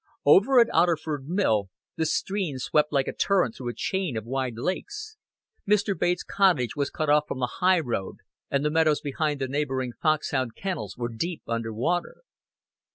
Over at Otterford Mill, the stream swept like a torrent through a chain of wide lakes; Mr. Bates' cottage was cut off from the highroad, and the meadows behind the neighboring Foxhound Kennels were deep under water.